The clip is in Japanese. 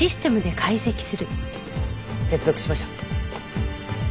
接続しました。